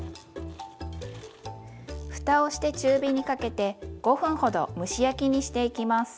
ふたをして中火にかけて５分ほど蒸し焼きにしていきます。